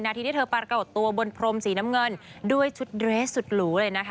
ที่เธอปรากฏตัวบนพรมสีน้ำเงินด้วยชุดเรสสุดหรูเลยนะคะ